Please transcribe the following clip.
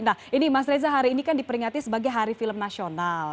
nah ini mas reza hari ini kan diperingati sebagai hari film nasional